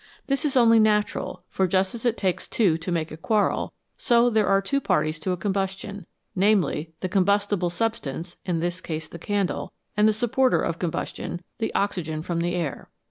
This is only natural, for just as it takes two to make a quarrel, so there are two parties to a combustion, namely, the combustible substance, in this case the candle, and the supporter of combustion, the oxygen from the air.